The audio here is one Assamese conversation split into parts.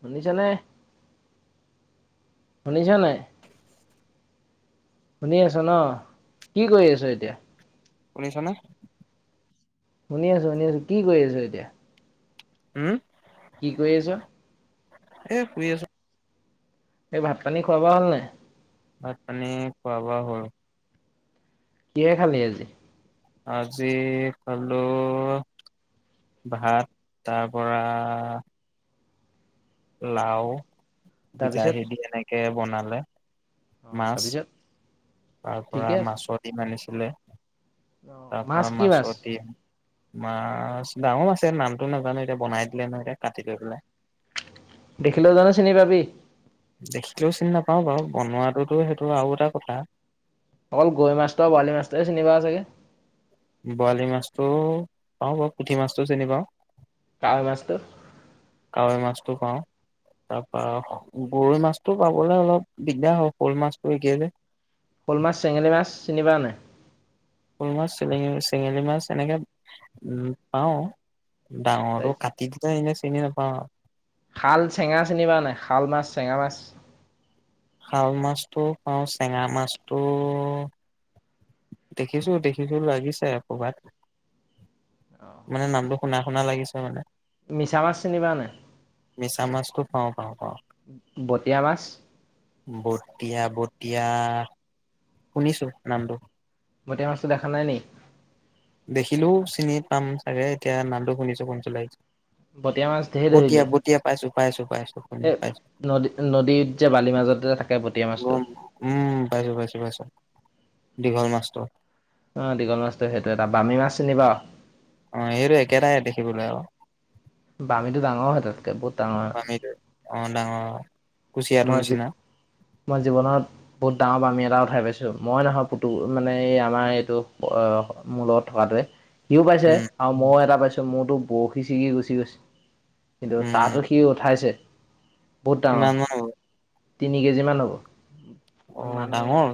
শুনিছ নে শুনিছো নাই। শুনি আছ ন কি কৰি আছো এতিয়া। শুনিছনে শুনি আছো, শুনি আছো, কি কৰি আছো এতিয়া। উম। কি কৰি আছ। এ শুই আছো এই ভাত পানী খোৱাাব হাল নাই। ভাত পানী খোৱাৱা হ'ল। কিহে খালি আজি। আজি খালো। ভাত তাৰ পৰা লাও তাৰপিছত বিলাহী দি এনেকে বনালে। অ মাছ তাৰপিছত তাৰ পৰা ঠিকে আছে মাছৰ ডিম আনিছিলে। অ তাৰ মাছ পৰা কি মাছ মাছৰ দিম মাছ ডাঙো মাছে নামটো নাজানো এতিয়া বনাই দিলে ন এতিয়া কাটি লৈ পেলাই। দেখিলেও জানো চিনি পাবি। দেখিলেও চিনি নাপাওঁ বাৰু বনোৱাাতটোতো সেইটো আৰু এটা কথা। অকল গৈ মাছটো বৰালি মাছটোৱে চিনি পাৱ চাগে। বৰালি মাছতটো পাওঁ বাৰু পুঠি মাছটো চিনি পাওঁ। কাৱৈ মাছ তো কাৱৈ মাছটো খাওঁ। তাৰপা গৰৈ মাছটো পাবলৈ অলপ দিগদাৰ হয় শ'ল মাছটো একেই যে। শ'ল মাছ চেঙেলী মাছ চিনি পাও নে নাই ফুল মাছ চিলঙ চেঙেলী মাছ এনেকে উ পাও ডাঙৰটো তাৰপিছত কাটি দিলে এনেই চিনি নাপাওঁ আৰু শাল চেঙা চিনি পাও নাই শাল মাছ চেঙা মাছ শাল মাছটো পাওঁ, চেঙা মাছটো, দেখিছো দেখিছো লাগিছেপ। ভাত মানে নামটো শুনা শুনা লাগিছে মানে। মিছামাছ চিনি পাৱ নে। মিছা মাছটো পাওঁ পাওঁ পাওঁ বটিয়া মাছ বটিয়া বটিয়া শুনিছো নামটো বটিয়া মাছটো দেখা নাই নি দেখিলোও চিনি পাম চাগে এতিয়া নামটো শুনিছো শুনিছো লাগিছে বতীয়া মাছ ঢেৰ বতিয়া ধৰিলোঁ বতিয়া পাইছো পাইছো পাইছো এ পাইছো নদী নদীত যে বালিৰ মাজতে থাকে বটিয়া গম মাছটো উম পাইছো পাইছো পাইছো দীঘল মাছটোৰ অ দীঘল মাছটো সেইটো এটা বামী মাছ চিনি পাও অ সেইটো একেটাইে দেখিবলৈ আৰু বামী ডাঙৰ হয় তাতকে বহুত ডাঙৰ হয় হৈনেকি অ ডাঙৰ কুচিয়াটো মই নিচিনা মই জীৱনত বহুত ডাঙৰ বামী এটা খাই পাইছো মই নহয় পুতু মানে এই আমাৰ এইটো মোৰ লগত থকাটোৱে সিও পাইছে উম আৰু মইো এটা পাইছো মোৰতো বৰশি ছিগি গুচি গৈছে কিন্তু তাতো উম সি উঠাইছে বহুত ডাঙৰ কিমান মান হ'ব তিনি কেজি মান হ'ব অ মানুহ ডাঙৰ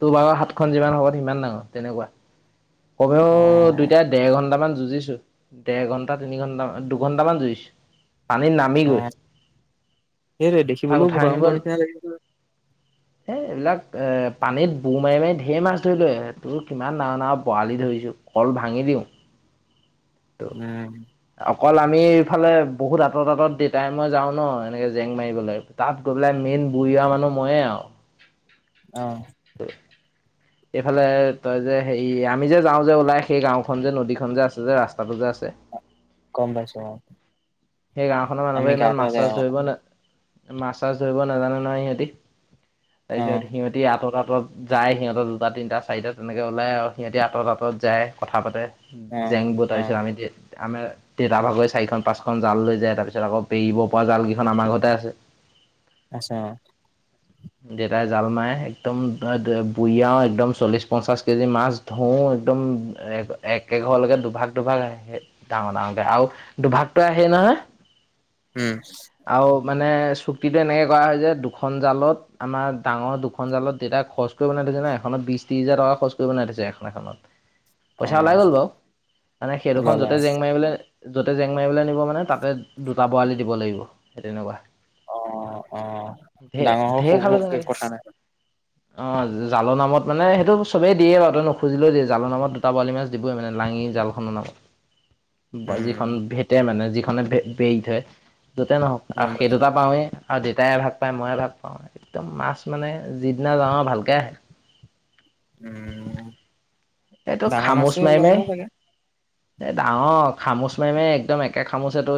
তোৰ বাৰত যিমান হ'ব সিমান ডাঙৰ তেনেকুৱা কবও অ দুইতাই দেৰ ঘন্ট মান যুঁজিছো দেৰ ঘন্টা তিনি ঘন্টান দুঘন্ট মান যুজিছো পানীত নামি গৈ তাক বলো উঠাই আনিব ভয়ংকৰ নিচিনা লাগিছিল এ এইবিলাক এ পানীত বু মাৰি মাৰি ধঢেৰ মাছ ধৰিলো তোৰ কিমান ডাঙৰ ডাঙৰ বৰালি ধৰিছো কল ভাঙি দিওঁ ত উম অকল আমি এইফালে বহুত আঁতৰত আঁত দেউতাই মই যাওঁ ন এনেকে জেং মাৰিবলৈ তাত গৈ পেলাই মেইন বুঢ়ীয়া মানুহ ময়ে আৰু আহ এইফালে তই যে হেৰি আমি যে যাও যে ওলাই সেই গাওখন যে নদী খন যে আছে যে ৰাস্তাটো যে আছে ছে গম পাইছো অ সেই গাওখনৰ আমি মানুহবৰে গা ইমান ধোৱা মাছ যায় চাছ অ ধৰিব ন মাছ চাছ ধৰিব নাজানে নহয় সিহঁতি অ তাৰপিছত সিহতি আটকা আঁত যায় সিহঁত দুটা তিনিটা চাৰিটা তেনেকৈ ওলায় আৰু সিহঁতে আঁতৰত আঁতৰত যায় কথা পাতে অ জেং অ বইছো আমি আমাৰ দেতা ভাগই চাৰিখন পাঁচখন খন জাল লৈ যায় তাৰপিছত আকৌ পেৰিব পৰা জাল কেইখন আমাৰ ঘৰতে আছে আছা দেতাই জাল মাৰে একদম বুৰিঅও একদম চল্লিশ পঞ্চাশ কেজি মাছ ধও একদম একে ঘৰলৈকে দুভাগ দুভাগ আহ ডাঙৰ ডাঙৰকে আৰু দুভাগত আহেই নহয় উম আৰু মানে চুক্তিটো এনেকে কৰা হয় যে দুখন জালত আমাৰ ডাঙৰ দুখন জালত দেউতা খৰচ কৰিব বনাই থৈছে না, এখনত বিশ ত্ৰিশ হাজাৰ টকা খৰচ কৰিব বনাই থৈছে এখন এখনত। অ পইচা ওলাই গ'ল বাৰু, মানে সেইডখন ওলালে য'তে জেং মাৰিবলৈ য'তে জেং মাৰিবলৈ নিব মানে তাতে দুটা বৰালি দিব লাগিব। সেই তেনেকুৱা। অ', অ', ধেৰ ডাঙৰ হওঁক ধেৰ সৰু খালো হওঁক তেনেকে কথা নাই। অ জালৰ নামত মানে সেইটো চবেই দিয়ে বাৰু তই নুখুজিলে দিয়ে জালৰ নামত দুটা বৰালি মাছ দিবই মানে। লাঙি জালখন বা উম যিখন ভেটে মানে যিখনে বেৰি থয় যতে নহওক গম আৰু সেই পাইছো দুটা পাওঁৱেই আৰু দেউতাইে ভাগ পায় ময়ে ভাগ পাওঁ নাই একদম মাছ মানে যিদিনা যাওঁ ভালকে আহে উম উ এইটো খামোচ মাৰি মাৰি, এই ডাঙৰ খামুচ মাৰি মাৰি, একদম একে খামুচেতো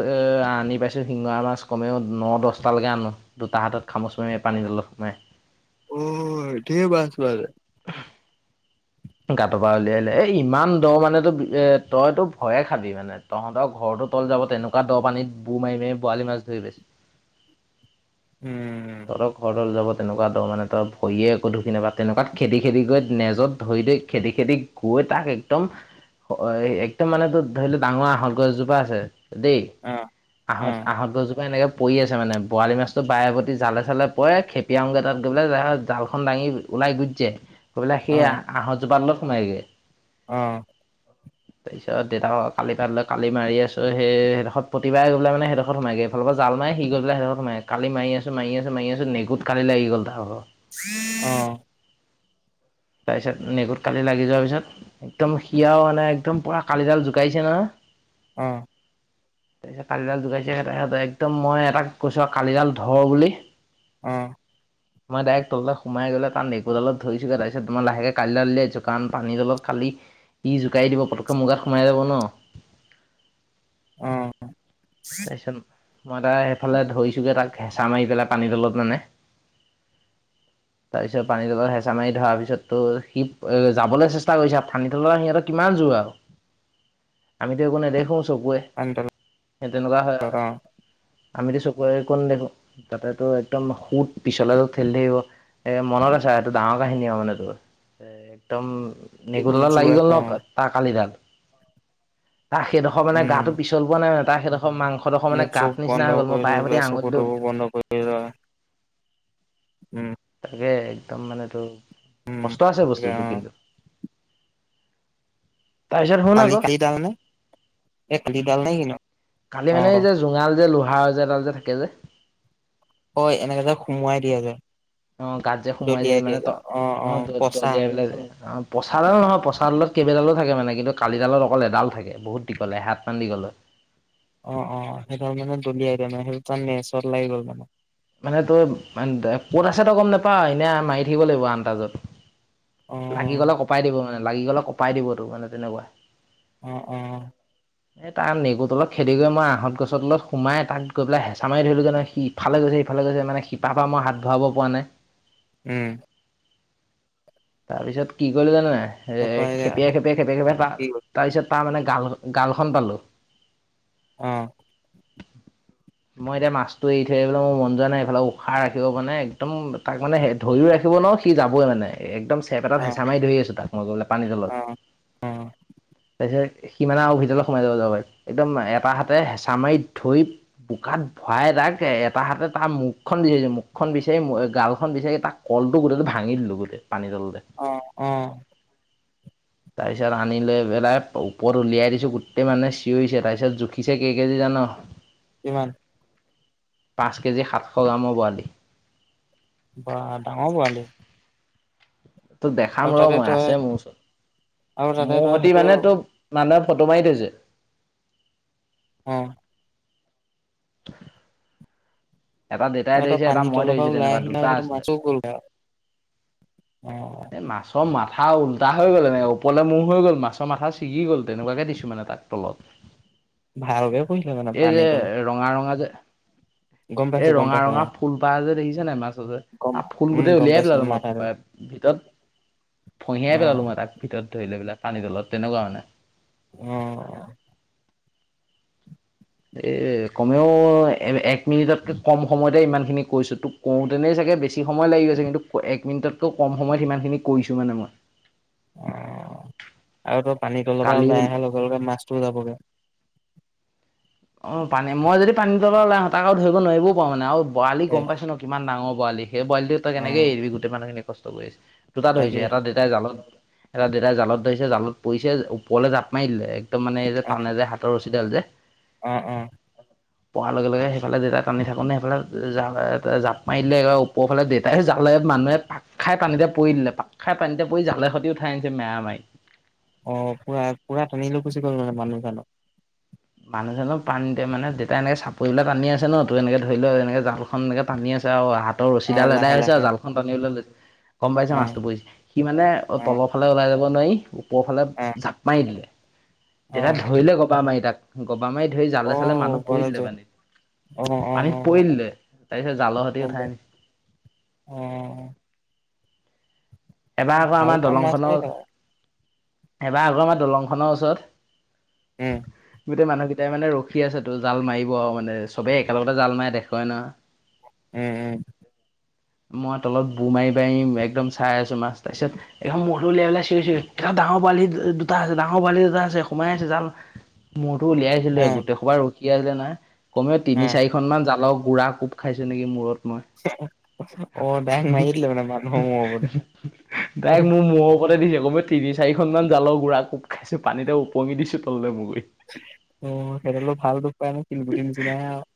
আনি পাইছোঁ শিঙৰা মাছ কমেও ন দহটালৈকে আনোঁ। দুটা হাতত খামুচ মাৰে পানী তলত সোমাই। অ ধেৰ মাছ ওলালে [unintelligible] উলিয়াইে এই ইমান দ মানেতো তইতো ভয়ে খাবি মানে তহঁতৰ ঘৰটো তল যাব তেনেকুৱা দ পানীত বুৰ মাৰি মাৰি বৰালি মাছ ধৰি পাইছোঁ। উম তহঁতৰ ঘৰদাল যাব তেনেকুৱা দহ। মানে তই ভৰিয়ে একো ধুখি নাপাওঁ, তেনেকুৱাত খেদি খেদি গৈ নেজত ধৰি দি খেদি খেদি গৈ তাক একদম অ একদম মানে তো ধৰি ল' ডাঙৰ আহঁত গছজোপা আছে দেই আঁহত গজজোপা এনেকে পৰি আছে মানে বৰালি মাছটো বায়ে প্ৰতি জালে চালে পৰে খেপিয়ামগৈ তাত গ'লে জালখন দাঙি ওলাই গুচি যায়। গৈ পেলাই সেই আঁহতজোপাৰ তলত সোমাইগৈ। অহ। তাৰপিছত দেউতাক কালি তাত লৈ কালি মাৰি আছো সেই সেইদখত প্ৰতিবাৰে গৈ মানে সেইদখত সোমাইগৈ। অলপ জাল মাৰি সি গৈ পেলাই সেইদেখত সুমাইগৈ। কালি জাল মাৰি আছোঁ মাৰি আছোঁ মাৰি আছোঁ, কালি লাগি গ'ল তাৰ ভাগৰ। অঁ। তাৰপিছত নেগুত কালি লাগি যোৱাৰ পিছত একদম সি আও মানে একদম পুৰা কালিডাল জোকাইছে নহয়। অহ। তাৰপিছত কালিডাল যোগাইছে সঁতে সহঁতে একদম মই এটাক কৈছো আৰু কালিডাল ধৰ বুলি। অহ। মই ডাইৰেক্ তলতে সোমাই গলো তাৰ নেগুৰডালত ধৰিছোগৈ তাৰ পিছত পিত লাহেকে কালিডাল উলিয়াই দিছোঁ কাৰণ পানী তলত কালি ই জোকাৰি দিব পতককে মোৰ গাত সোমাই যাব ন। অঁ। তাৰ পিছত মই তাই সেইফালে ধৰিছোগে তাক হেঁচা মাৰি পেলাই পানীৰ তলত মানে। তাৰপিছত পানী তলত হেঁচা মাৰি ধৰা পিছতো সি যাবলৈ চেষ্টা কৰিছে। পানী তলত সিহঁতৰ কিমান জুৰ আৰু, আমিতো একো নেদেখো। চকুৱে। সেই তেনেকুৱা হয় অ আৰু। আমিতো চকুৰে একো দেখো। তাতে তো একদম সুত, পিছলে গৈ ঠেলি থাকিব। এ মনত আছে এইটো ডাঙৰ কাহিনী হ মানে তোৰ এ একদম। এইবোৰ মেগুৰডাল জোৰ লাগি গল আছে অ', ন তাৰ কালিডাল। তাৰ সেইদখৰ মানে উম, গাটো পিছল হোৱা নাই মানে, তাৰ সেইদখৰ মাংসডোখৰ মানে মুখ চুখ গাত বন্ধ নিচিনা হৈ গ'ল কৰি মই লৈ বাৰে পেলাই প্ৰতি চকু আঙুলিতো তকু বন্ধ কৰি লয়, উম, তাকে একদম মানে টো, উম। কষ্ট আছে তাকে বস্তুটো অ কিন্তু। তাৰপিছত [unintelligible] শুন মানে এই আকৌ কালিডাল নে কিনো? কালি মানে এই অ', যে জোঙা যে লোহাৰ যে এডাল যে থাকে যে? হয় এনেকে যে সোমোৱাই দিয়া যে অ গাত যে সোমাই যায় মানে ত অ দ দলিয়বিলাক অ প্ৰচাৰ আৰু নহয় প্ৰচাৰত কেইবালত থাকে মানে কিন্তু কালিডালত অকল এডাল থাকে বহুত দীঘলে এ হাত মান দ গলে অ অ সেইডাল মানে দলিয়াই মানে সেই তাৰ নেচত লাগি গ'ল মানে মানে তই ক'ত আছে তই গম নোপা এনে মাৰি থাকিব লাগিব আনন্তাজত লাগি গ'লে অ', কপাই দিব মানে লাগি গ'লে কপাই দিবতো মানে তেনেকুৱা অঁ, অঁ। এ তাৰ নেগুৰ তলত খেদি গৈ মই আহঁত গছৰ তলত সোমাই তাত গৈ পেলাই হেচা মাৰি ধৰিলোগে সি ইফালে গৈছে ইফালে গৈছে মানে শিপা পৰা মই হাত ভৰাব পৰা নাই। উম। তাৰপিছত কি কৰিলো জান নে? এ তাৰপৰা এয়া খেপিয়াই খেপিয়াই খেপিয়াই খেপিয়াই ত কি হ'ল তাৰ পিছত তাৰ মানে গাল গালখন পালো। অ', মই এতিয়া মাছটো এৰি থৈ আহিবলৈ মোৰ মন নাই এইফালে উশাহ ৰাখিব মানে একদম তাক মানে ধৰিও ৰাখিব ন সি যাবই মানে একদম চেপ এটাত অ', হেঁচা মাৰি ধৰি আছো তাক মই গলে পানীৰ তলত অ', অ', তাৰপি সিমানে আৰু ভিতৰলৈ সোমাই যাব যাব পাৰাৰে একদম এটা হাতে হেঁচা মাৰি ধৈ বোকাত ভৰাই দাক এটা হাত তাৰ মুখখন বিচাৰিছে মুখখন বিচাৰি গালখন বিচাৰি তাৰ কলটো গোটেইটো ভাঙি দিলো গোটেই পানী তললে অ', অ'। তাৰপিছত আনিিলৈ বেলাই ওপৰত উলিয়াই দিছো গোটেই মানে চিঞৰিছে তাৰপিছত জুখিছে ক কে তি জান কিমান পাঁচ কেজি সাতশ গ্ৰামৰ বৰালি ব ডাঙৰ পোৱা দে তোক দেখাম ৰ মই আছে মোৰ আৰু ওচৰত তাতে মোৰ তই সতে সেইটো মানে অ তোক মানুহে ফটো মাৰি থৈছে অ এটা দেতাই আৰু তই ধৰিছে এটা পানীৰ মই তলৰ পৰা ধৰিছো ওলাই তেনেকুৱা আহিলে আৰু দুটা সেইটো আছিলে মাছো গ'লগে আৰু অ এ মাছৰ মা মাথা উল্টা হৈ গ'ল এনে ওৰলে মহ হৈ গ'ল মাছৰ মাথা ছিগি গ'ল তেনেকুৱাকে দিছো মানে তাক তলত ভালকে কৰিছিলে মানে এই পানীৰ যে তলত ৰঙা ৰঙা যে গম এই পাইছো গম ৰঙা পাইছো ৰঙা অ ফুলপাহ যে দেখিছা নাই মাছ যে গম ত ফুল উম গোটেই গম উলিয়াই পাইছো পেলাল মই মাথাটো ভিতৰত অ খহিয়াই পেলালো মই তাক ভিতৰত ধৰি লৈ পেলাই পানী তলত তেনেকুৱা মানে উম এ কমেও এক মিনিটতকে কম সময়তে ইমান খিনি কৈছো তোক কওঁতেনে চাগ ে বেছি সময় লাগি গৈছে কিন্তু এক মিনিটতকৈ কম সময়ত সিমান খিনি কৰিছো মানে মই অ, আৰু তই পানী তলৰপ পৰা কালি ওলাই অহা লগে লগে মাছটোও যাবগে অ, পানী মই যদি পানী তলা ওাই হঁা আৰু ধৰিব নোৱাৰিবও পাৰো মানে আৰু বৰালি এ গম পাইছো ন কিমান ডাঙৰ পোৱালি সেই বোৱালিটো ত অ কেনেকে এৰিি গোটেই মানুহখিনি কষ্ট কৰি আছে দুটাত ধৰি য তাকেইটো এটা দেউতাই জালত এটা দেউতাই জালত ধৰিছে জালত পৰিছে ওপৰলে জাপ মাৰ দিলে একদম মানে এই যেটানে যে হাতৰ ওচ কিডাল যে উ, অ, পোৱাৰ লগে লগে সেইফালে দেতাই টানি থাকো নে সেইফালে জাপ মাৰ দিলেবাৰ ওপৰ ফালে দেউতাইে জাল মানুহে পাক খাই পানীতে পৰি দিলে পাক খাই পানীতে পৰি জালে সৈতি উঠাই আনিছে মেৰা মাৰি অ, পুৰা পুৰা টানি লৈ গুচি গ'ল মানে মানুহজনক বানিছে ন পানী মানে যেতিয়া এনেকে চাপৰিলে টানি আছে ন তো এনেকে ধৰি লও এনেকে জাল এক টানি আছে আৰু হাতৰ অ ৰছীডাল এদাই লাহে হৈছে লাহে আৰু জালখন আনিবলৈ ল গম পাইছে অ মাছটো পৰিছে সি মানে অ তলৰ ফালে ওলাই যাব নোৱাৰি ওপৰৰ ফালে অ জাপ মাৰি দিলে। অ দেতা ধৰিলে গবা মাৰি তাক গবা মাৰি ধৰি অ জালে চালে মানুহ পৰি ওপৰলৈ দিলে যোৱা অ পান্ধীত অ পানীত অ পৰিলে তাৰপিছত জালৰ সতি গম উঠাই আনিলে- অ, এবাৰ আকৌ ভাল আমাৰ পাম দলং মাছ মাৰি খনৰ থাকা এবাৰ আগৰ আমাৰ দলং খনৰ উম ওচৰত গোটেই মানুহেই এ মানে ৰখি আছে তো জাল মাৰিব মানে চবেই একেলগতে জাল মাৰে দেখুৱাই ন উম, উম, মই তলত বু মাৰি বাৰি একদম চাই আছো মাছ তাৰ পিছত এখন মৰু উলিয়াইেলাই চিৰি এ ডাঙৰ বোৱালি দুটা আছে ডাঙৰ পোৱালি দুটা আছে সোমাই আছে াল মূৰতো উলিয়াইছিলো উম গোটেই খোবাৰ উ আছে নাই কমেও অ অ তিনি চাৰিখন মান জালৰ গুড়া কোব খাইছো নেকি মূৰত ই অ ডাইৰেক্ট মাৰি দিলে মানে মানুহৰ মূৰৰ ওপৰতে তাইক মোৰ ম লগতে দিছে আকৌ মই তি চাৰিখনমান জালৰ গুড়াকো খাইো পানীতে পঙি দিছো ত ম মু অ, সেইডলো ভাল দুখ পায় ন শিলগুটিৰ নিচিনাইে আৰু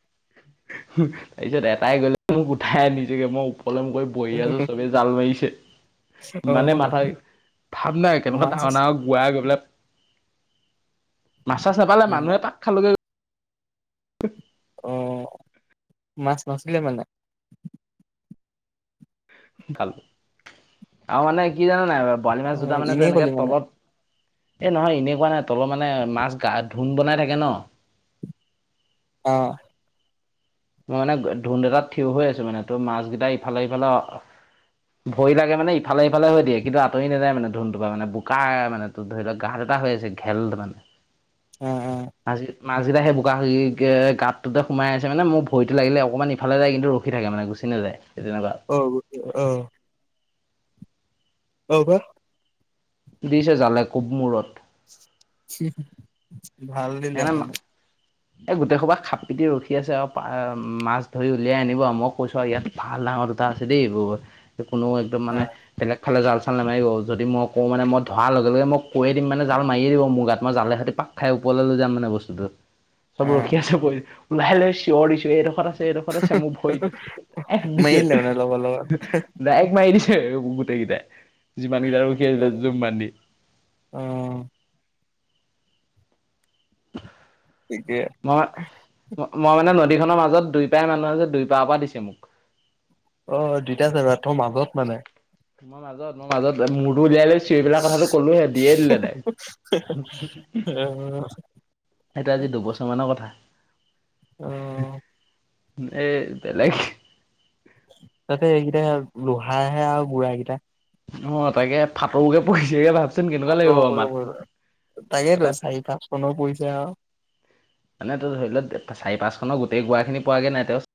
তাৰ পিছত এটাই গ'লে মোক উঠাই নিজকে মই সকলমকৈ বহি আছো চবে জাল মাৰিছে। অ ইমানেই মাথা ভাপ নাই কেনেকুৱা মাছ ডাঙৰ আছে ডাঙৰ গোৱাই গৈ পেললে মাছা চ নাপালে অ মানুহে পাক খালগে আহ, মাছ নাছিলে মানে ভাল আৰু মানে কি জানে নাই বৰালি অ মাছ দুটা মানে তো এনেই এনেকে কলি মানে তলত এই নহয় এনেকুৱা নাই তলত মানে মাছ গা ধোন বনাই থাকে ন অ, মই মানে ধুন্দ এটাত থিয় হৈ আছো মানে তোৰ মাছ কেইটা ইফালে সফালে ভৰি লাগে মানে ইফালে ইফালে হৈ দিয়ে কিন্তু আতৰি নাযায় মানে ধুনটোৰ পৰা মানে বোকা মানে ধৰি লওকা হৈছে ঘেল মানে অ মাছকেইটা সেই বোকা গাতটোতে সোমাই আছে মানে মোৰ ভৰিটো লাগিল অকমান ইফালে যায় কিন্তু গুছি নাযায় তেনেকুৱা অ, আহ, অ দিছে জালে কুব মূৰত। ভাল দিলে সেইকাৰণে মানে এই গোটেই সোবা খাপ পিটি ৰখি আছে আৰু মাছ ধৰি উলিয়াই আনিব মই কৈছো আৰু ইয়াত ভাল আৰু ডাঙৰ দুটা আছে দেই কোনো একদম অ মানে বেলেগ ইালে জাল নাৰিব যদি মইওঁ মানে মই ধৰ লগে লগ মই কৈে দি মানে জালাৰিয়েই দিব মোৰ গাত মই জাল সিহঁতি পওঁ খাই ওপৰলৈ লৈ যাম মানে বস্তুতো অ চব ৰখি আছো ওলাই লৈ চিঞৰ দিছো এইডোখৰত আছে এডোখৰত আছে মোৰ ভৰিটো এ মাৰি দিছে দিলে মানে লগৰ লগত ডাইক মাৰি দিছে। গুতে কিতে। যিমান কেইটাৰ খিলে জুম বান দি অ ঠিকে মই মই মানে ন নদীখনৰ মাজত দুই পাই মানুহ আ যে দুই পাৰ পৰা দিছে মোক অ দুইটা জাগা তোৰ মাজত মানে মই মাজত মোৰ মাজত মৰটো উলিয়াই লৈছো এইবিলাক কথাটো ক'লোহে দিয়ে দিলে নাই অ সেইটো আজি দুবছৰ মানৰ কথা অ এই বেলেগ তাতে এইকেইটা লোহাৰাহে আৰু বুঢ়া কেইটা অ তাকে ফাটৌকে পঢ়িছেগে ভাত আ তাকেইেতো চাৰি পাঁচ চনৰো পৰিছে আৰু মানে ত ধৰি লও চাৰি পাঁচ খনৰ গোটেই গুোৱাা খিনি পোৱাগে নাই তেওঁ